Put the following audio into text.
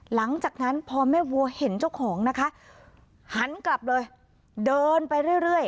หลังจากนั้นพอแม่วัวเห็นเจ้าของนะคะหันกลับเลยเดินไปเรื่อย